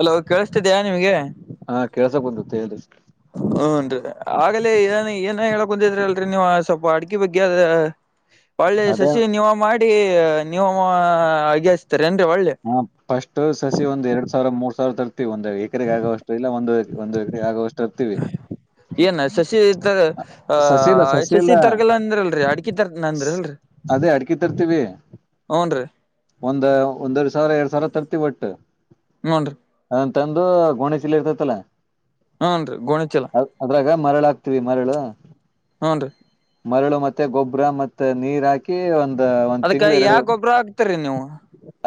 Hello ಕೇಳಿಸ್ತಿದ್ಯಾ ನಿಮ್ಗೆ? ಹಾ ಕೆಳ್ಸಕುಂತದ ಹೇಳ್ರಿ. ಹನ್ರಿ ಆಗಲೇ ಏನ ಏನ್ ಹೇಳಕೂತಿದ್ರಿ ಅಲ್ರಿ ನೀವ ಸ್ವಲ್ಪ ಅಡಿಕೆ ಬಗ್ಗೆ ಅದ [unintelligible] ಒಳ್ಳೆ ಶಸಿ ನೀವ ಮಾಡಿ ನೀವ ಅಗಿ ಹಚ್ತಿರಿ ಏನ್ರಿ ಹೊಳ್ಳಿ ಹ ಫಸ್ಟ್ ಸಸಿ ಒಂದ್ ಎರಡ್ ಸಾವಿರ ಮೂರ್ ಸಾವಿರ ತರ್ತಿವಿ ಒಂದೇಳಿ. ಎಕರೆಗ ಆಗುವಷ್ಟು ಇಲ್ಲ ಒಂದು ಒಂದು ಎಕರೆ ಆಗುವಷ್ಟು ತರ್ತೀವಿ. ಏನ ಶಸಿ ತರ ಸಸಿ ಇಲ್ಲ ಅಹ ಸಸಿ ಇಲ್ಲ ಶಸಿ ತರಗಲ್ಲ ಅಂದ್ರಲ್ರಿ ಅಡಕಿ ತರ್ತೇನ್ ಅಂದ್ರ ಅಲ್ರಿ? ಅದೇ ಅಡ್ಕಿ ತರ್ತೀವಿ. ಹುಂಡ್ರಿ. ಒಂದ ಒಂದುವರಿ ಸಾವಿರ ಎರಡ ಸಾವಿರಾ ತರ್ತಿ ಒಟ್ಟ. ಹುಂಡ್ರಿ. ಅದನ್ನ ತಂದು ಗೋಣಿ ಚಿಲಾ ಇರ್ತೈತಲ್ಲ. ಹುಂಡ್ರಿ ಗೋಣಿ ಚೀಲಾ. ಅದ್ರಾಗ ಮರಳ ಹಾಕ್ತಿವಿ ಮರಳು. ಹುಂಡ್ರಿ. ಮರಳು ಮತ್ತೆ ಗೊಬ್ಬರಾ ಮತ್ತೆ ನೀರ ಹಾಕಿ ಒಂದ ಒಂದ ತಿಂಗಳ ಎರಡು ತ್ತರಿ ನೀವು.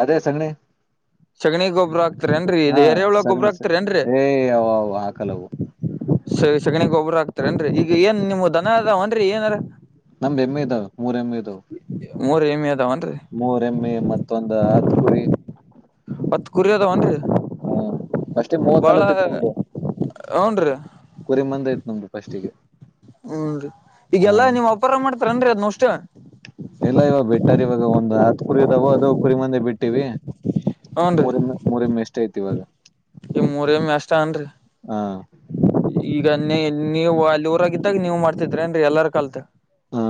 ಅದೇ ಸಗಣಿ. ಸಗಣಿ ಗೊಬ್ಬರಾ ಹಾಕ್ತಿರೆಂಡ್ರಿ ಇದ ಹಾ ಎರೆಹುಳಾ ಗೊಬ್ಬರಾ ಸಗಣಿ ಸ ಹಾಕ್ತಿರೆಂಡ್ರಿ. ಏ ಅವು ಹಾಕಲ್ಲವು ಸ ಸಗಣಿ ಗೊಬ್ಬರಾ ಹಾಕ್ತಿರೆಂಡ್ರಿ ಈಗ ಏನ ನಿಮುವು ದನಾ ಅದಾವೆಂಡ್ರಿ ಏನಾರ. ನಮ್ಮ ಎಮ್ಮೆ ಇದಾವ ಮೂರ ಎಮ್ಮೆ ಇದಾವು. ಮೂರ ಎಮ್ಮಿ ಅದಾವಂಡ್ರಿ. ಮೂರ ಎಮ್ಮೆ ಮತ್ತೊಂದ ಹತ್ತು ಕುರಿ. ಹತ್ ಕುರಿ ಅದಾವನ್ರಿ ಹ ಅಷ್ಟೇ ಮೂವತ ಬಾಳ ನಲ್ವತ ನಮ್ದು. ಹನ್ರಿ ಕುರಿಮಂದೆ ಐತಿ ನೋಡು ಫಸ್ಟಿಗೆ. ಹು ರಿ ಹಾ ಈಗೆಲ್ಲಾ ನೀಮ್ಮ ಅಪ್ಪಾರ ಮಾಡ್ತಾರೇನ್ರಿ ಅದುನ ಒಷ್ಟು. ಎಲ್ಲಾ ಇವಾಗ ಬೆಟ್ಟಾರ ಇವಾಗ ಒಂದ ಹತ್ತ ಕುರಿ ಅದಾವ ಅದ ಕುರಿ ಮಂದಿ ಬಿಟ್ಟಿವಿ. ಹನ್ರಿ ಮೂರೆಮ್ಮೆ ಮೂರೆಮ್ಮೆ ಅಷ್ಟ ಐತಿ ಇವಾಗ. ಈಗ ಮೂರ ಎಮ್ಮಿ ಅಷ್ಟ ಅನಡ್ರಿ. ಹಾ ಈಗ ನೀ ನೀವು ಅಲ್ಲಿ ಊರಾಗಿದ್ದಾಗ ನೀವ ಮಾಡ್ತಿದ್ರೆಂಡ್ರಿ ಎಲ್ಲಾರ ಕಲ್ತ. ಹಾ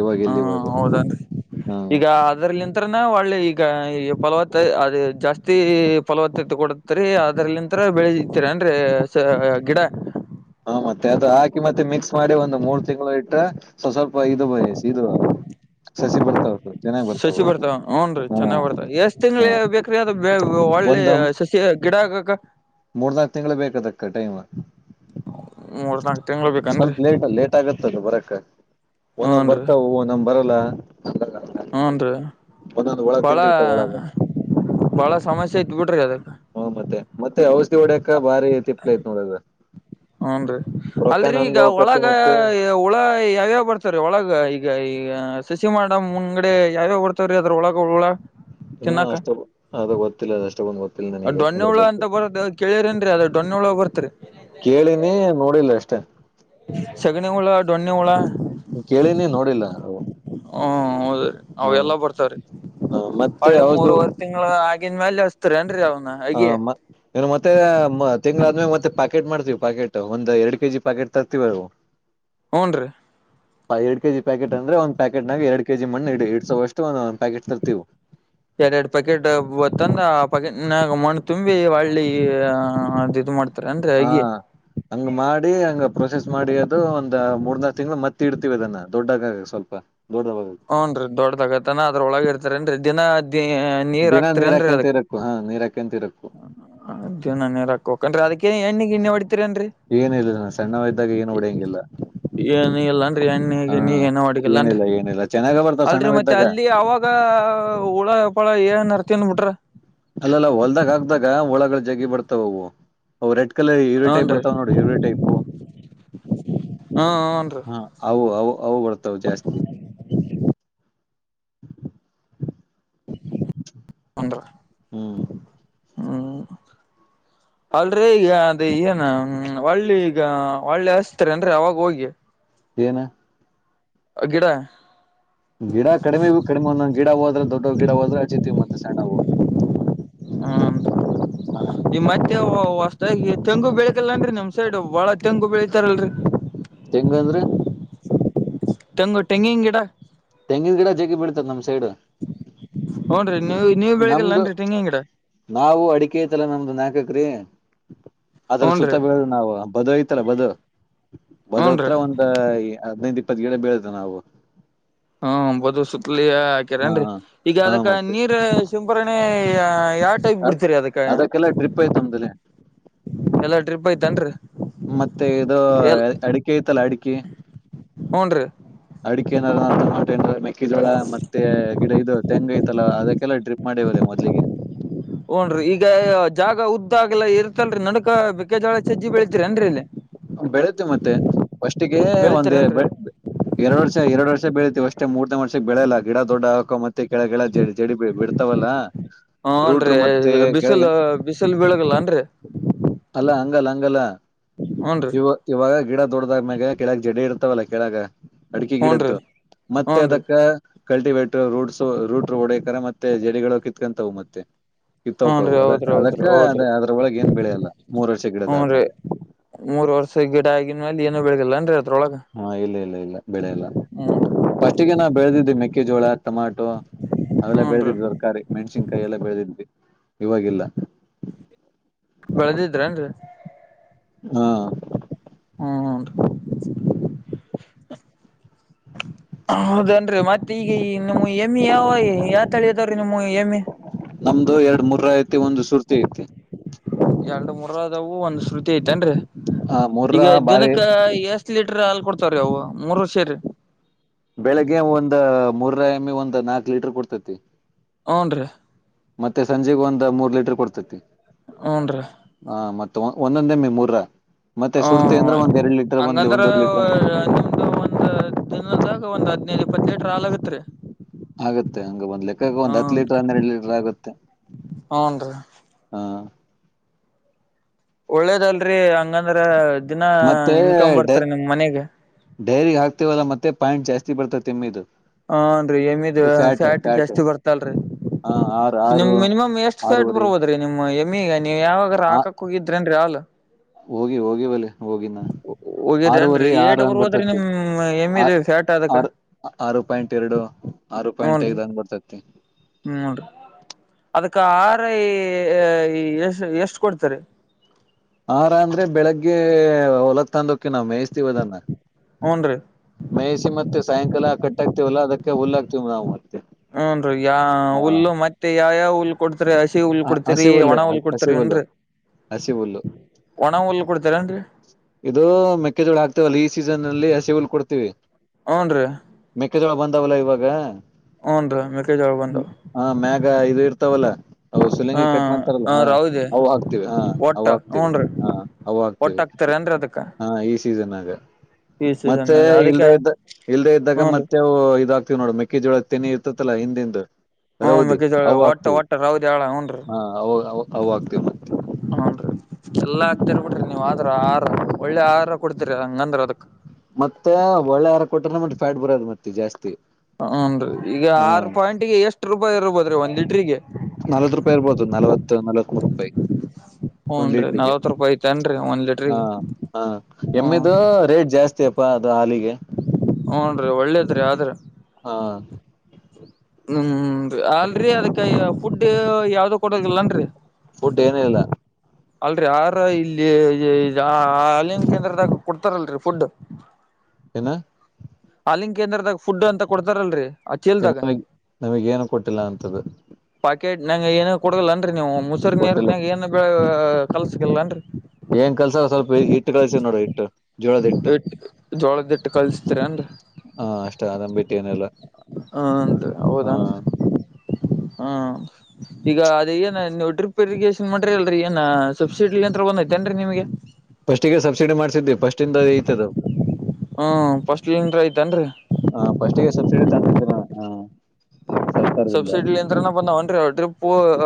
ಇವಾಗ ಹಾ ಇಲ್ಲ ಇವಾಗ ಹೌದನಡ್ರಿ ಹಾ ಈಗ ಅದ್ರಲಿ. ಇದ್ರನ ಹೂಳ್ಳಿ ಈಗ ಈ ಪಲವತ್ತ ಅದು ಜಾಸ್ತಿ ಪಲವತ್ತತ್ತೆ ಕೊಡ ತ್ರಿ ಅದ್ರಲ್ಲಿಂತ್ರ ಬೆಳಿತೆತೆಂಡ್ರಿ ಸರ್ ಗಿಡಾ. ಹು ಮತ್ತೆ ಅದು ಹಾಕಿ ಮತ್ತೆ ಮಿಕ್ಸ್ ಮಾಡಿ ಒಂದು ಮೂರ ತಿಂಗಳು ಇಟ್ಟ. ಸೂ ಸ್ವಲ್ಪ ಇದು ಬಯಸ್ ಇದು. ಸಸಿ ಬರ್ತಾವ ಸರ ಚೆನ್ನಾಗಿ ಬರ್ತಾವ ಹ ಹ ಕ್ರೇಜ್ ಬೆಕು ಹೊಳ್ಳಿ ಸಸಿ ಗಿಡಾ ಆಗಾಕ. ಮೂರ್ನಾಕ ತಿಂಗಳ ಬೇಕದಕ್ಕ ಟೈಮ್ ಮೂರ್ ನಾಲ್ಕು ತಿಂಗ್ಳ ಬೇಕನ್ರಿ ಸ್ವಲ್ಪ ಲೇಟ್ ಲೇ ಲೇಟಾಗತ್ತದು ಬರಕ ಒಂದ ಒಂದ್ ಹೂನ್ ರೀ ಬರ್ತಾವ ಒಂದ ಒಂದ ಬರಲ್ಲಾ. ಹುಂಡ್ರಿ ಬಾಳ ಒಳಗ ಬಾಳ ಸಮಸ್ಯೆ ಐತ ಬಿಡ್ರಿ ಅದರದ. ಹು ಮತ್ತೆ ಮತ್ತೆ ಔಷಧಿ ಹೊಡ್ಯಕ ಬಾರಿ ತಿಪ್ಪಲ ಐತ ನೋಡ ಎಲ್ಲಾ. ಹುಂಡ್ರಿ ಅಲ್ರೀ ಈಗ ಒಳಗ. ಮತ್ತೆ ಹುಳಾ ಯಾವ್ಯಾವ ಬರ್ತಾವರಿ ಒಳಗ ಈಗ ಈಗ ಸಸಿ ಮಾಡವ ಮುಂಗಡೆ ಯಾವ್ಯಾವ ಬರ್ ತ್ತಾವರಿ ಅದ್ರ ಒಳಗ ಹುಳಾ. ಹಾ ಅಷ್ಟೊ ಅದು ಗೊತ್ತಿಲ್ಲಾ ಅದ ಅಷ್ಟ ಬಂದು ಗೊತ್ತಿಲ್ಲ ನನಗೆ ಅದ್ರ ಬಗ್ಗೆ. ಕೇಳಿರಿ ಏನ್ ಡ್ರಿ ಅದ ಡೊಣ್ಣುಹುಳಾ ಬರ್ತರಿ. ಕೇಳಿನಿ ನೋಡಿಲ್ಲ ಅಷ್ಟ. ಸಗಣಿ ಹುಳಾ ಡೊಣ್ಣಿ ಹುಳಾ. ಹು ಕೇಳಿನಿ ನೋಡಿಲ್ಲಾ ಅವು. ಹು ಹೌದ್ರಿ ಅವ ಹ ಎಲ್ಲಾ ಬರ್ತಾವರಿ ಮತ್ತೆ ಹೊಳ್ಳಿ ಹೌದು ಮೂವರು ವರಿ ತಿಂಗಳಾ ಆಗಿದ ಮ್ಯಾಲ ತ್ತಿರೆಂಡ್ರಿ ಅವನ್ನ ಹ ಅಗಿ. ಮ ಇನ್ನು ಮತ್ತೆ ತಿಂಗ್ಗಳ ಆದ್ಮೇಗ ಮತ್ತೆ ಪಾಕೆಟ್ ಮಾಡ್ತೀವಿ ಪಾಕೆಟ್ ಒಂದ್ ಎರಡು ಕೆ ಜಿ ಪಾಕೆಟ್ ತರ್ತಿವಿ ಅವು. [inaudible] ಹ್ನ್ ರೀ. ಎರಡ್ ಕೆಜಿಪ್ಯಾಕೆಟ್ ಅಂದ್ರೆ ಒಂದ ಪ್ಯಾಕೆಟ್ನಾಗ ಎರಡ್ ಕೆಜಿ ಮಣ್ಣಇಡೀ ಇಡ್ಸೋಷ್ಟು ಒಂದ ಪ್ಯಾಕೆಟ್ ತರ್ತಿವು. ಯಾಡ ಯಾಡ ಪ್ಯಾಕೆಟ್ ಬ ತ್ತಂದ ಆ ಪಕೆಟ್ ನಾಗ ಮಣ್ಣ ತುಂಬಿ ಒಳ್ಳಿ ಅದ ಇದು ಮಾಡ್ತ. ಹಾ ಹಂಗ ಮಾಡಿ ಹಂಗ ಪ್ರೊಸೆಸ್ ಮಾಡಿ ಅದು ಒಂದ್ ಮೂರ್ನಾ ನಾಲ್ಕ ತಿಂಗಳು ಮತ್ತೆ ಇಡ್ತಿವಿ ಅದನ್ನ ದೊಡ್ಡಗ ಸ್ವಲ್ಪ. ದೊಡ ಯಾವಾಗ್ ಹುನ್ರಿ ದೊಡ್ಡದ ಆಗತಾನ ಅದ್ರೊಳಗ ಇರ್ತಾರೇನ್ರಿ ದಿನ ದ ನೀರ್ ಹಾಕ್ತರಿನ್ರರಿ ಅದಕ ನೀರಕ್ಕೆಂತ ಇರಬೇಕು ಅ ದಿನಾ ನೀರ್ ಹಕ್ಕೋ ಬೇಕನ್ರಿ ಅದಕ್ಕೇ ಏನ್ ಎಣ್ಣೆ ಗಿಣ್ಣಿ ಹೊಡತೀರಿನ್ರಿ. ಏನ ಇಲ್ಲ ಸಣ್ಣವ ಇದ್ದಾಗ ಏನು ಹೊಡೆಯಂಗಿಲ್ಲ. ಏನು ಇಲ್ಲನ್ರ ಎಣ್ಣ ಗಿನ್ನಿ ಏನ ಹೊಡಗಿಲ್ಲ ಅನ್ರಿ ಏನಿಲ್ಲ ಏನಿಲ್ಲ ಚೆನ್ನಾಗ ಬರ್ತಾವ [inaudible] ಅಲ್ರರಿ ಸಣ್ಣವ ಮತ್ತೆ ಇದ್ದಾಗ ಅಲ್ಲಿ ಅವಾಗ. ಈಗ... ಹುಳಪಳ ಏನ್ರ ತಿಂದ ಬಿಟ್ರ. ಅಲ್ಲಅಲ್ಲ ಹೊಲ್ದಾಗ ಅಕ್ದಾಗ ಹುಳಗಳ ಜಗ್ಗಿ ಬರ್ತಾವ ಅವು ಅವ ರೆಡ್ ಕಲ್ಲ ಇರವೇ ಟೈಪ್ ಹೂನ್ರಿ ಬರ್ತಾವ ನೋಡಿ ಇರವೇ ಟೈಪು ಹ್ಮ ಹ್ನ್ ರೀ. ಹಾ ಅವು ಅವು ಅವು ಬರ್ತಾವ ಜಾಸ್ತಿ. [unintelligible] ಅಂದ್ರ ಹ್ಮ್. ಹ್ಮ್ [inaudible] ಅಲ್ರೀ ಈಗ. ಅದೇ ಏನ ಒಳ್ಳಿ ಈಗ ಒಳ್ಳೆ ಅಸ್ತಾರೆ ಏನ್ ರಿ ಅವಾಗ ಹೋಗಿ. ಏನ ಗಿಡ. ಗಿಡ ಕಡಿಮೆ ಕಡಿಮೆ ಒಂದ ಒಂದ ಹೋದ್ರೆ ದೊಡ್ಡ ಗಿಡ ಹೋದ್ರ ಅಚ್ಚ್ತಿವಿ ಮತ್ತೆ ಸಣ್ಣವು. ಹ್ಮ್ ಹಾ ಈ ಮತ್ತೆ ಹೊಸದಾಗಿ ತೆಂಗು ಬೆಳದಿಲ್ಲಅನ್ರಿ ನಿಮ್ಮ ಸೈಡ್ ಬಾಳ ತೆಂಗು ಬೆಳಿತಾರಲ್ರರಿ. ತೆಂಗ ಅಂದ್ರೆ. ತೆಂಗು ಟೆಂಗಿನ ಗಿಡಾ ತೆಂಗಿನ ಗಿಡ ಜಗ್ಗಿ ಬೆಳಿತಾರ ನಮ್ ಸೈಡ್. ಹುನ್ರಿ ನೀವು ನೀವ ಬೆಳಿಗ್ಗೆಲ್ಲ ನಮ್ದು ನನ್ರಿ ತೆಂಗಿನ ಗಿಡಾ ನಾವು ಅಡಿಕೆ ಐತಿ ಅಲ್ಲ ನಮ್ದ ನಾಕ ಎಕರೆ ಅದ್ರ ಹೂನ್ರಿ ಸುತ್ತ ಬಳ ನಾವು ಬದ್ ಐತಲ್ಲ ಬದ [inaudible] ಹೂನ್ರಿ ಬದ್ತ್ರ ಒಂದ ಅಯ ಹದನೈದ ಇಪ್ಪತ್ ಗಡೆ ಬೆಳ್ದ ನಾವು ಹ್ಮ ಬದು ಸುತ್ತಲಿಯ. ಹಾ ಏನ್ರಿ ಈಗ ಹಾ ಅದಕ್ಕ ಮತ್ತೆ ನೀರ್ ಶುಂಭರಣೆ ಯಾವ ಟೈಪ್ ಬಿಡ್ತೀರಿ ಅದಕ್ಕ. ಅದಕ್ಕೆಲ್ಲ ಟ್ರಿಪ್ ಆಯ್ತ ಅಮ್ದಲ್ಲಿ ಎಲ್ಲಾ ಟ್ರಿಪ್ ಐತನ್ರಿ. ಮತ್ತೆ ಇದು ಅಡಿಕೆ ಐತಲ್ಲ ಅಡಿಕೆ. ಹ್ನ್ ರೀ ಅಡಿಕೆನ ಮೆಕ್ಕೆಜೋಳ ಮತ್ತೆ ಗಿಡ ಇದು ತೆಂಗ ಐತಲ್ಲ ಅದಕ್ಕೆಲ್ಲಾ ಡ್ರಿಪ್. ಮಾಡೇವರ ಮೊದ್ಲಿಗೆ. ಹಓನ್ರಿ ಈಗ ಜಾಗ ಉದ್ದಾ ಹಗಲ್ಲಾ ಇರ್ತಲ್ರರಿ ನಡ್ಕಬೇಕ. ಮೆಕ್ಕೆಜೋಳ ಜಜ್ಜಿ ಬೆಳಳ್ತಿರ ಅನ್ರಿ ಇಲ್ಲಿ. ಬೆಳಿತೇವಿ ಮತ್ತೆ [inaudible] ಫಸ್ಟ್ಗೆ ಒಂದೇ ಬೆಳಿತೀರೇನ್ರಿ ಬೇ ಎರಡ್ ವರ್ಷ ಎರಡ್ ವರ್ಷ ಬೆಳಿತಿವಿ ಅಷ್ಟೇ ಮೂರ್ನೇ ವರ್ಷಕ್ಕ ಬೆಳೆಲ್ಲ ಗಿಡ ದೊಡ್ಡ ಆಕ ಮತ್ತೆ ಕೆಳ ಜಡಿ ಬಿಡ್ ತವಲ್ಲ ಹನ್ರೀ ಬಿಸಿಲ ಬಿಸಿಲ ಬೆಳಗಲ್ಲ ಅನ್ರಿ. ಅಲ್ಲ ಹಂಗಲ್ಲ ಹಂಗಲ್ಲ ಹನ್ ಇವ ಇವಾಗ ಗಿಡ ದೊಡ್ಡದ್ಮ್ಯಾಗ ಕೆಳಗ್ ಜಡಿ ಇರ್ತವಲ್ಲ ಕೆಳಗ ಅಡಿಕ ಹೂನ್ರಿ ಗಿಡದ್ದು ಮತ್ತೆ ಹೂನ್ರಿ ಅದಕ್ಕ ಕಲ್ಟಿವೇಟರ್ ರೂಟ್ಸ್ ರೂಟ್ ಓಡೇಕರ ಮತ್ತೆ ಜಡಿಗಳ ಕಿತ್ಕೊಂತಾವ ಮತ್ತೆ ಕಿತ್ತೊಕವು ಹೂನ್ರಿ ಅದ ಹೌದ್ರಿ ಹೌದ್ರಿ ಅದಕ್ಕ ಅದ ಹೌದ್ರಿ ಅದ್ರೊಳಗೆ ಏನ್ ಬೆಳೆಯಲ್ಲ ಮೂರ್ ವರ್ಷ ಗಿಡದ ಆದ್ಮ್ಯಾಗ ಮೂರ ವರ್ಷದ ಗಿಡ ಆಗಿನ ಮೇಲ ಏನು ಬೆಳದಿಲ್ಲ ಏನ್ರಿ ಅದ್ರೊಳಗ ಹಾ ಇಲ್ಲ ಇಲ್ಲ ಇಲ್ಲ ಬೆಳೆಯಲ್ಲ ಹ್ಮ ಫಸ್ಟಿಗೆನ ಬೆಳದಿದ್ದೆ ಮೆಕ್ಕೆಜೋಳ ಟಮಾಟೊ ಅವೆಲ್ಲ ಹೂನ್ರಿ ಬೆಳೆದಿದ್ವಿ ಕಾರಿ ಮೆಣ್ಸಿನ್ಕಾಯಿ ಎಲ್ಲ ಬೆಳೆದಿದ್ವಿ ಇವಾಗಿಲ್ಲ. ಬೆಳದಿದ್ರ ಅನ್ರಿ. ಹಾ ಹ್ಮ ಹ್ಮ [inaudible] ಹೌದನ್ರಿ ಮತ್ತ ಈಗ ನಿಮ್ಮ ಎಮ್ಮೆ ಯಾವ ಯಾವ ತಳಿ ಅದಾವ್ರೀ ನಿಮ್ಮು ಎಮ್ಮ ನಮ್ದು ಎರಡ ಮೂರ ಐತಿ ಒಂದ ಸುರ್ತಿ ಐತಿ. ಎರಡ ಮೂರದವು ಒಂದ ಶ್ರುತಿ ಐತೇನ್ರೀ ಆ ಈಗ ಮುರ್ರಾ ಬಾರಿ ದಿನಕ್ಕ ಎಷ್ ಎಸ್ ಲೀಟರ್ ಹಾಲ ಕೊಡ್ತವ್ರಿ ಅವ ಮೂರ ಸೇರಿ ಬೆಳಿಗ್ಗೆ ಒಂದ ಮುರಾ ಎಮ್ಮಿ ಒಂದ್ ನಾಕ್ ಲೀಟರ್ ಕೊಡ್ತತಿ. ಹುನ್ರಿ. ಮತ್ತೆ ಸಂಜಿಗ ಒಂದ ಮೂರ್ ಲೀಟರ್ ಕೊಡ್ತೈತಿ. ಹುನ್ರಿ. ಹ ಮತ್ತ ಒಂದೊಂದೆಮ್ಮ ಮೂರ ಮತ್ತೆ ಸುರ್ತಿ ಹ್ಮ ಅಂದ್ರೆ ಒಂದ ಎರಡ್ ಲೀಟರ್ ಒಂದ ಒಂದೂವರೆ ಲೀಟ್ರ ಕೊಡ್ತತಿ. ಇ ಒಂದ್ ದಿನದಾಗ ಒಂದ್ ಹದ್ನೈದ ಇಪ್ಪತ್ತ ಲೀಟರ್ ಹಾಲ್ ಆಗತ್ರಿ. ಆಗತ್ತೆ ಹಂಗ ಒಂದ ಲೆಕ್ಕಾಗ ಒಂದ್ ಹತ್ತ ಲೀಟರ್ ಹನ್ನೆರಡ ಲೀಟರ್ ಆಗುತ್ತೆ. ಹನ್ರಿ ಹಾ ಒಳ್ಳೇದಲ್ರಿ ಹಂಗಂದ್ರ ದಿನ ಇನ್ಕಮ ಬರ್ತರಿ ನಿಮ್ಮ ಮನೆಗೆ ಡೈರಿಗ ಹಾಕ್ತಿವಲ್ಲ ಮತ್ತೆ ಪಾಯಂಟ್ ಜಾಸ್ತಿ ಬರ್ತತ ತಿಮ್ಮಿದ ಹಾನ್ರಿ ಎಮಿದ ಫ್ಯಾಟ್ ಜಾಸ್ತಿ ಬರ್ತಲ್ರಿ. ಹ ಆರು ನಿಮ್ಮ ಆರು ಮಿನಿಮಮ್ ಎಷ್ಟ್ ಫ್ಯಾಟ್ ಆರೂವರೆ ಬರ್ಬೋದ್ರೀ ನಿಮ್ ಎಮಿಗ ನೀ ಯಾವಾಗ ಆ ಟ್ರಾಕಾಕ ಹೋಗಿದ್ರೇನ್ರಿ ಹಾಲ. ಹೋಗಿ ಹೋಗಿ ಬಲಿ ಹೋಗಿ ನಾ ಆರವರೆ ಹೋಗಿದ್ರೇನ್ರಿ ಆರ ಏಟ್ ಹಂಗ ಬರ್ಬೋದ್ರಿ ಬರ್ತತಿ ನಿಮ್ ಆ ಎಮ್ಮಿದ ಫ್ಯಾಟ್ ಅದಕ್ಕ ಆರ ಆರು ಪಾಯಿಂಟ್ ಎರಡು ಆರು ಪಾಯಿಂಟ್ ಐದ ಅಂಗ ಬರತೈತಿ. ನೋಡ ಅದಕ್ಕ ಆರ ಎ ಎಷ್ಟ ಕೊಡ್ತರೀ. ಆರ ಅಂದ್ರೆ ಬೆಳಿಗ್ಗೆ ಹೊಲತ ತಂದ ಹೊಕ್ಕಿವ ಮೇಯ್ಸ್ತಿವಿ ಅದನ್ನ ಹುನ್ರಿ. ಮೇಯಿಸ ಮತ್ತೆ ಸಾಯಂಕಾಲ ಕಟ್ಟ ಆಕ್ತಿವಲ್ಲಾ ಅದಕ್ಕೆ ಹುಲ್ಲಾಕ್ತತಿವ ನಾವ ಮತ್ತೆ ಹುನ್ರಿ ಯಾ ಹುಲ್ಲು ಮತ್ತೆ ಯಾ ಯಾವ ಹುಲ್ಲ. ಕೊಡ್ತರಿ ಹಸಿ ಹುಲ್ಲ ಹ ಕೊಡ್ತತಿರಿ ಹಸಿ ಒಣ ಹುಲ್ಲೆ ಹುಲ್ಲ ಹಸಿ ಹುಲ್ಲು ಕೊಡ್ತರನ್ರಿ. ಹಸಿ ಹುಲ್ಲು ಒಣ ಹುಲ್ಲ ಕೊಡ್ತೀರನ್ರಿ. ಇದು ಮೆಕ್ಕೆಜೋಳ ಹಾಕ್ತವಲ್ಲ ಈ ಸೀಸನ್ ಅಲ್ಲಿ ಹಸಿ ಹುಲ್ಲ ಕೊಡ್ತೀವಿ. ಹ್ಮ್, ನ್ ರೀ ಮೆಕ್ಕೆಜೋಳ ಬಂದಾವಲ್ಲ ಇವಾಗ- ಹೂನ್ ರೀ ಮೆಕ್ಕೆಜೋಳ ಬಂದವ ಹ, ಮ್ಯಾಗ ಇದು ಇರ್ತಾವಲ್ಲ ಅ ಸುಲಂಗಿ ಕಟ್ ಮಾಡ್ತಾರಲ್ಲ ಹ ಹಾ ರೌದಿ ಅ ಆಗ್ತೀವಿ ಹ ಒಟ್ಟ ಅವಾಗ್ತಿವಿ ಹೂನ್ ರೀ ಹ ಅವ ಒಟ್ಟ ಆಗ್ತಿವಿ ಹಾಕ್ತಾರ ಏನ್ರಿ ಅದಕ್ಕ ಹಾ ಈ [unintelligible] ಸೀಸನ್ಗ ಈ ಮತ್ತೆ ಸೀಸನ್ಯಾಗ ಇಲ್ಲದ ಅದಕ್ಕೆ ಇದ್ದ ಇಲ್ಲದೇ ಇದ್ದಾಗ ಹೂನ್ ರೀ ಮತ್ತೆ ಇದಾಕ್ತೀವ್ ನೋಡ ಮೆ ಮೆಕ್ಕೆಜೋಳ ಜೋಳಗ್ ತೆನಿ ಇರ್ತಲ್ಲ ಹಿಂದಿಂದು ಹ್ಮ್, ಮೆಕ್ಕೆಜೋಳಒಟ್ಟ ಒಟ್ಟ ರೌದಿ ಹಾಳ ಹುನ್ರಿ ಹಾ ಅವ ಆಗ್ತಿವ [unintelligible] ಹ್ಮ್, ನ್ರಿ ಎಲ್ಲಾ ಹಾಕತಿರ್ ಬಿಡ್ರಿ ನೀವ್ ಆದ್ರ ಆಹಾರ ಒಳ್ಳೆ ಆಹಾರ ಕೊಡ್ತಿರಿ ಹಂಗಂದ್ರ ಅದಕ್. ಮತ್ತೆ ಒಳ್ಳೆ ಆಹಾರ ಕೊಟ್ರ ಮತ್ತೆ ಫ್ಯಾಟ್ ಬರದು ಮತ್ತೆ ಜಾಸ್ತಿ. ಹ್ಮ್, ನ್ರಿ ಈಗ ಹಾ ಆರು ಪಾಯಿಂಟ್ ಗೆ ಎಷ್ಟ್ ರೂಪಾಯಿ ಇರ್ಬೋದ್ರಿ ಒಂದ್ ಲಿಟ್ರಿಗೆ. ನಲ್ವತ್ ರೂಪಾಯಿ ಇರ್ಬೋದು ನಲವತ್ತು ನಲವತ್ ಮೂರು ರೂಪಾಯಿ. ಹ್ಮ್, ಒಂದ್ ನ್ರಿ ಲೀಟ್ರಿಗೆ ನಲ್ವತ್ ರೂಪಾಯಿ ಐತೆೇನ್ರಿ ಒಂದ್ ಹಾ ಲೀಟ್ರಿಗೆ. ಹಾ, ಹ್ಮ್ ಎಮ್ಮಿದು ರೇಟ್ ಜಾಸ್ತಿ ಅಪ್ಪಾ ಅದು ಹಾಲಿಗೆ. ಹ್ಮ್, ರೀ ಒಳ್ಳೇದ್ರಿ ಆದ್ರ ಹಾ, ಹ್ಮ್, ಅಲ್ರಿ ಅದಕ್ಕೆ ಫುಡ್ ಯಾವ್ದ ಕೊಡದಿಲ್ಲನ್ರಿ. ಫುಡ್ ಏನು ಇಲ್ಲ ಅಲ್ರಿ ಆಹಾರ ಇಲ್ಲಿ ಹಾಲ್ಲಿನ್ ಕೇಂದ್ರದಾಗ ಕೊಡ್ತಾರಲ್ರಿ ಫುಡ್. ನಾ [inaudible] ಹಾಲ್ಲಿನ್ ಕೇಂದ್ರದಾಗ ಫುಡ್ ಅಂತ ಕೊಡ್ತಾರಲ್ರಿ. ಮಗೆ ನಮಗ ಏನು ಕೊಟ್ಟ [unintelligible] ಕೊಟ್ಟಿಲ್ಲ ಅಂತದ. ಪಾಕೆಟ್ ನಗೆ ಏನು ಕೊಡೋಲ್ಲನ್ರಿ ನೀವು ಮುಸರಿ ಕೊಟ್ಟಿಲ್ಲ ನೀರ್ನಗ ಏನ್ ಬೆಳೆ ಕಲ್ಸಗಲ್ಲ ಅನ್ರಿ [unintelligible] ಏನ್ ಕಲ್ಸ ಸ್ವಲ್ಪ ಇಟ್ಟು ಕಳ್ಸೀನಿ ನೋಡ ಇಟ್ಟು ಜೋಳದ ಇಟ್ಟು ಇಟ್ಟ ಜೋಳದಿಟ್ಟ ಕಲ್ಸ್ತರಿ ಎನ್ರಿ ಹಾ, ಅಷ್ಟೇ ಅರಾಮ್ ಬಿಟ್ಟ ಏನೆಲ್ಲ ಹ್ಮ್, ಅಂತ ಹೌದ ಹ್ಮ್ ಈಗ ಅದೇ ಏನ ನೀವು ಡ್ರಿಪ್ ಇರಿಗೇೇಶನ್ ಮಾಡ್ರಿ ಅಲ್ರಿ ಏನ ಸಬ್ಸಿಡಿ ಯಂತ್ರ ಒಂದಐತೆೇನ್ರಿ ನಿಮಗೆ. ಫಸ್ಟಿಗೆ ಸಬ್ಸಿಡಿ ಮಾಡ್ಸಿದ್ವಿ ಪ ಸ್ಟಿಯಿಂದ ಐತದು. ಹ್ಮ್, ಫಸ್ಟಿಂದ ಐತನ್ರಿ ಹ, ಫಸ್ಟಿಗೆ ಸಬ್ಸಿಡಿ ತಂದಿದ್ರ ಹಾ ಸಬ್ಸಿಡಿಲಿಂದನ ಬಂದಾವ ಅನ್ರಿ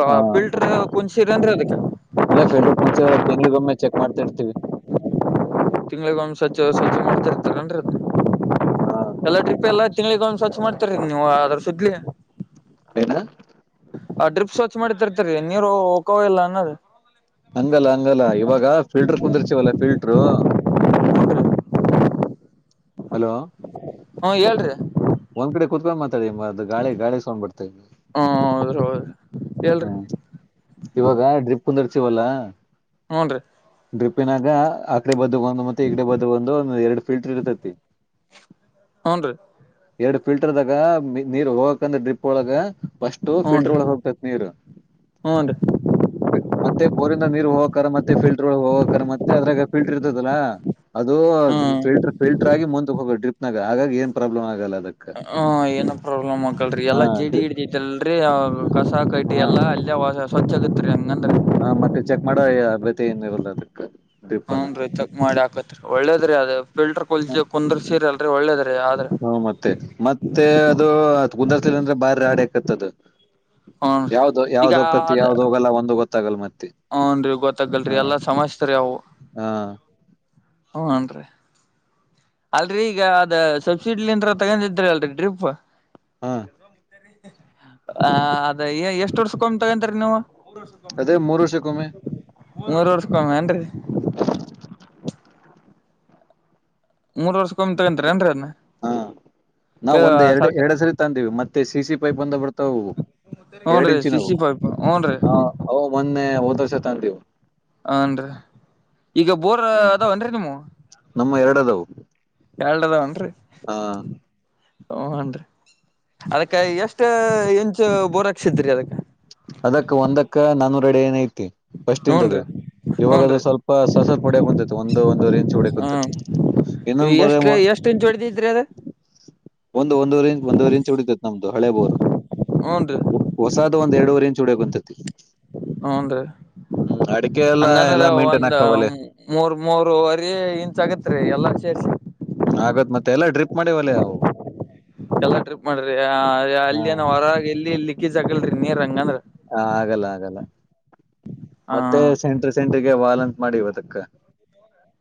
ಹ ಅ ಪಿಲ್ಟರ್ ಕುಡ್ಸೀರೇನ್ರಿ ಅದಕ್ಕೆ. ಅಲ್ಲ ಫಲ್ಡರ್ನ್ಸ ತ ತಿಂಗಳಿಗೊಮ್ಮೆ ಚಕ್ ಮಾಡ್ತ ಇರ್ತೀವಿ. ತಿಂಗ್ಳಿಗೆ ಒಂದು ಸ್ವಚ್ ಸ್ವಚ್ಛ ಮಾಡ್ತಿರ್ [unintelligible] ತಗೊಂಡ್ರ ಹ ಎಲ್ಲಾ ಟ್ರಿಪ್ ಎಲ್ಲಾ ತಿಂಗಳಿಗೆ ಒಂದ್ ಸ್ವಚ್ ಮಾಡ್ತಾರ ನೀವು ಅದ್ರ ಸುದಲಿ ಏನ ಆ ಡ್ರಿಪ್ಸ್ ಸ್ವಚ್ ಮಾಡಿತಿರ್ತರಿ ನೀರು ಹೋಕನ ಇಲ್ಲಾ ಅನ್ನೋದು. ಹಂಗಲ್ಲ ಹಂಗಲ್ಲ ಇವಾಗ ಫಿಲ್ಟರ್ ಕುಂದ್ರಿಸಿರ್ತಿವಲ್ಲ ಫಿಲ್ಟರು. ಹೂನ್ರಿ ಹಲೋ, ಹಾ, ಹೇಳ್ರಿ ಒಂದ್ ಕಡೆ ಕೂತ್ಕೊಂಡು ಮಾತಾಡಿ ಮ ಅದು ಗಾಳಿಗಿ ಸೌಂಡ್ ಬರ್ತೇವಿ. ಹ್ಮ ಹೌದ್ರ ಹೌದ ಎಲ್ರಿ [unintelligible] ಇವಾಗ ಡ್ರಿಪ್ ಕುಂದ್ರಿಸಿವಲ್ಲಾ ಹೂನ್ರಿ ಡ್ರಿಪ್ ನಾಗ ಆಕಡೆ ಬದುಗೋಂದು ಮತ್ತೆ ಈಗಡೆ ಬದುಗೋಂದು ಎರಡ್ ಫಿಲ್ಟರ್ ಇರತೈತಿ ಹೂನ ರೀ ಎರಡು ಫಿಲ್ಟರ್ದಾಗ ನೀರ್ ಹೋಗಕಂದ್ರೆ ಡ್ರಿಪ್ ಒಳಗ ಫಸ್ಟ್ ಫಿಲ್ಟರ್ ಹೂನ್ರಿ ಒಳಗ ಹೋಗ್ತತಿ ನೀರ ಹೂನ್ರಿ ಮತ್ತೆ ಬೋರಿಂದ ನೀರ್ ಹೋಗೋಕ ಮತ್ತೆ ಫಿಲ್ಟರ್ ಹೋಗೋಕ ಮತ್ತೆ ಅದ್ರಾಗ ಫಿಲ್ಟರ್ ಇರ್ತದಲ್ಲಾ ಅದು ಹ್ಮ್ ಫಿಲ್ಟರ್ ಫಿಲ್ಟರ್ ಆಗಿ ಮುಂದಕ್ ಹೋಗಬೇಕು ಡ್ರಿಪ್ನಾಗ ಆಗಾಗಿ ಏನ್ ಪ್ರಾಬ್ಲಮ್ ಆಗಲ್ಲ ಅದಕ್ಕೆ ಹ ಏನ ಪ್ರಾಬ್ಲಮ್ ಅಕ್ಕಲ್ರಿ ಎಲ್ಲಾ ಕೇಡಿ ಹಿಡ ತೈತಲ್ರರಿ ಕಸ ಕಡ್ಡಿ ಹಾ ಎಲ್ಲಾ ಅಲ್ಲಿ ವ ಸ್ವಚ್ಛ ಆಗತ್ರಿ ಹಂಗಂದ್ರ ಹ ಮತ್ತೆ ಚೆಕ್ ಮಾಡ ಅಬ್ಯತಿ ಏನ್ ಇರಲ್ಲ ಅದಕ್ಕ ಹುನ್ ರೀ ಚಕ್ ಮಾಡಿ ಹಾಕತ್ರಿ ಒಳ್ಳೇದ್ರೀ ಅದ ಫಿಲ್ಟರ್ ಪುಲ್ ಕುಂದ್ರ ಸೀರಿ ಅಲ್ರರಿ ಒಳ್ಳೇದ್ರೀ ಆದ್ರೆ ಹುಂ ಮತ್ತೆ ಮತ್ತೆ ಅದು ಕುಂದಾರ್ಸಲ ಅಂದ್ರೆ ಬಾಳ ರಾಡಿ ಆಕತ್ತದು ಹೂನ್ರಿ ಯಾವ್ದ ಈಗ ಯಾವ್ದ್ ಹೊಕ್ಕತ್ತಿ ಯಾವ್ದ ಹೋಗಲ್ಲ ಒಂದು ಗೊತ್ತಾಗಲ್ಲ ಮತ್ತೆ ಹ್ನುನ ರೀ ಹಾ ಗೊತ್ತಾಗಲ್ರಿ ಎಲ್ಲಾ ಸಮಸ್ಯೆ ರೀ ಅವು ಹಾ ಹ್ನುರಿ ಅಲ್ರರಿ ಈಗ ಅದ ಸಬ್ಸಿಡಿಲಿ ತಗೊಂಡಿದ್ರಿ ಅಲ್ರರಿ ಡ್ರಿಪ್ ಹಾ ಹ ಅದ ಎಷ್ಟ ವರ್ಷಕ್ಕೊಮ್ಮೆತಗಂತರಿ ನೀವು ಮೂರು ವರ್ಷ ಕೋಮೆರಿ ಅದೇ ಮೂರು ವರ್ಷಕ್ಕೊಮ್ಮೆ ಮೂರ್ ವರ್ಷಕ್ಕೊಮ್ಮೆ ಏನ್ರಿ ಮೂರ್ ವರ್ಷಕೋಮ್ಮಿ ತಗಂತಾರೇನ್ ಅದನ್ನ ಹಾ ನಾವು ಒಂದ್ ಎರಡು ಎರಡು ಸರಿ ತಂದೀವಿ ಮತ್ತೆ ಸಿ ಸಿ ಪೈಪ್ ಬಂದ ಬರ್ತಾವವು ಹ್ನು ರೀ ಸಿಸೀ ಪೈಪ್ ಹ್ನು ರೀ ಹ ಅವು ಮೊನ್ನೆ ಹೋದ್ ವರ್ಷ ತಂದಿವು ಹಾನ್ರೀ ಈಗ ಬೋರ್ ಅದಾವನ್ರರಿ ನೀಮೂ ನಮ್ಮೂ ಎರಡದಾವು ಎರಡ ಅದಾವನ್ರೀ ಹಾ ಹು ಅನ್ರಿ ಅದಕ್ಕೆ ಎಷ್ಟ ಇಂಚ್ ಬೋರಾಕ್ಸಿದರಿ ಅದಕ್ಕ ಅದಕ್ಕ ಒಂದಕ್ಕ ನಾನೂರ ಅಡಿ ಏನ ಐತಿ ಫಸ್ಟಿದದು ಹೂನ್ರಿ ಇವಾಗ ಅದು ಹೂನ್ರಿ ಸ್ವಲ್ಪ ಸ್ವಸ್ವಲ್ಪ ಹೊಡಿಯಕ್ ಕುಂತೈತಿ ಒಂದು ಒಂದು ವರೇಂಚ್ ಹೊಡಕ್ ಕುಂತತಿ ಎಷ್ಟರೀ ಎಷ್ಟು ಇಂಚ ಹೊಡಿತೈದ್ರಿ ಅದ ಒಂದು ಒಂದೂವರೆ ಇಂಚ್ ಒಂದೂರೆ ಇಂಚ್ ಉಡಿತೈತ್ ನಮ್ದು ಹಳೆ ಬೋರು ಹೂನ್ರಿ ಹೊಸಾದ ಒಂದ್ ಎರಡುವರೆ ಇಂಚ್ ಹೋಡ್ಯುಂತತಿ ಹೂನ್ರಿ ಹ ಅಡಿಕೆ ಎಲ್ಲಾ ಹಂಗಂದ್ರ ಎಲ್ಲಾ ಮೇಂಟೇನ್ ಒಂದ್ ಆಕಾವಲ್ಲೆ ಮೂರ್ ಮೂರ್ವರಿ ಇಂಚ್ ಆಗತ್ರಿ ಎಲ್ಲಾ ಸೇರ್ಸಿ ಆಗಬೇಕ ಮತ್ತೆ ಎಲ್ಲಾ ಡ್ರಿಪ್ ಮಾಡಿವೆಲ್ಲೆಾವು ಎಲ್ಲಾ ಟ್ರಿಪ್ ಮಾಡ್ರಿ ಅಲ್ಲಿ ಏನೋ ಹಾ ಹೊರಗ ಎಲ್ಲಿ ಲಿಕೀಜ್ ಆಗಲ್ರಿ ನೀರ್ ಹಂಗಂದ್ರ ಆಗಲ್ಲಾ ಆಗಲ್ಲಾ ಹ ಮತ್ತೆ ಸೆಂಟ್ರಿ ಸೆಂಟ್ರಿಗೆ ವಾಲ್ಂತ ಮಾಡಿದಕ್ಕ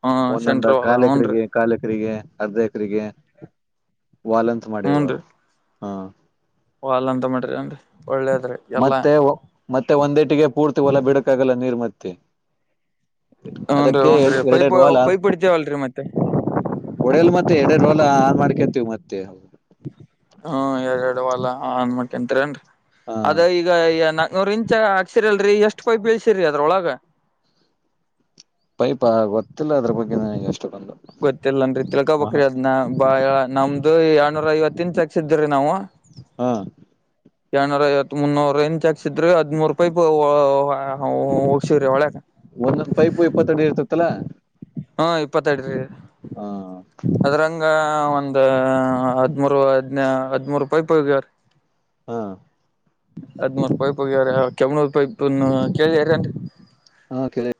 ಹ ಒಂದೊಂದ ಸೆಂಟ್ರ ಹೊಲ ಹೂನ್ರಿ ಕಾಲಕರಿಗೆ ಕಾಲ ಎಕರಿಗೆ ಅರ್ಧ ಎಕರಿಗೆ ವಾಲ್ಂತ ಮಾಡಿವ ಹಾ ವಾಲ್ ಅಂತ ಮಾಡ್ರಿ ಅಂದರಿ ಒಳ್ಳೇದ್ರಿ ಎಲ್ಲಾ ಮತ್ತೆ ಮತ್ತೆ ಒಂದೇಟಿಗೆ ಪೂರ್ತಿ ಹೊಲ ಬಿಡಕ್ಕಾಗಲ್ಲ ನೀರ್ ಮತ್ತೆ ಹ್ನುರೀ ಅದಕ್ಕೆ ಹುನ್ರೀ ಪೈಪ ಎರಡೆರಡು ವಾಲ ಪೈಪ ವಡಿತಾವಲ್ರರಿ ಮತ್ತೆ ಒಡೆಯಲು ಮತ್ತೆ ಎಡಡೆರ್ ರೂಲ್ ಆನ್ ಮಾಡ್ಕೊಂತೀವಿ ಮತ್ತೆ ಹ್ಮ ಎರಡ್ ಎರಡ್ ಹೊಲಾ ಅನ್ಮಕ್ತೆನರೀ ಹ ಅದ ಈಗ ನಾಕ್ ನೂರ್ ಇಂಚ ಹಾಕ್ಸಿರಿಲ್ರರಿ ಎಷ್ಟು ಪೈಪ್ ಇಳ್ಸಿರಿ ಅದ್ರೊಳಗ ಪೈಪ ಗೊತ್ತಿಲ್ಲ ಅದ್ರ ಬಗ್ಗೆ ನನಗೆ ಅಷ್ಟ. ಗೊತ್ತಿಲ್ಲನ್ರಿ ತಿಳ್ಕ ಬಕ್ರ ಅದ್ನ ಬಾಳ ನಮ್ದ್ ಎರ್ಡುನ್ನೂರ ಐವತ್ತಿನ ತೆಕ್ಸ ಇದ್ವಿ ನಾವ. ಹಾ ಎರಡನ್ನೂರ ಐವತ್ತ ಮುನೂರ್ ಹಿಂಗ್ ತೆಗ್ಸಿದ್ವಿ ಹದಮುರೂ ಪೈಪ್ ಹೊಗ್ಸಿದ್ವಿ ಒಳಗ. ಅಲ್ಲ ಪೈಪ ಇಪ್ಪತ್ತೆರಡು ಇರ್ತತ್ತಲ್ಲಾ. ಹಾ ಇಪ್ಪತ್ತೆರಡು ರಿ ಹ ಅದ್ರಂಗ ಒಂದ ಹದ್ಮೂರು ಹದ್ನ ಹದಿಮೂರು ಪೈಪ್ ಹೋಗ್ಯಾವರಿ. ಹಾ ಹದಮೂರ ಪೈಪ್ ಹೋಗ್ಯಾರ ಕೆಮ್ನೂರ್ ಪೈಪ್ ಕೇಳಾರೇನ್ರಿ. ಹಾ ಕೇಳವ.